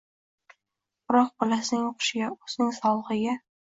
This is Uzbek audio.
biroq bolasining o‘qishiga, o‘zining sog‘lig‘iga –